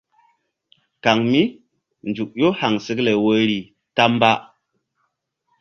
Kaŋ mí nzuk ƴó haŋsekle woyri ta mba.